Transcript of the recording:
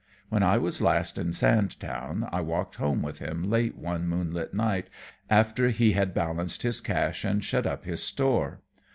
When I was last in Sandtown I walked home with him late one moonlight night, after he had balanced his cash and shut up his store.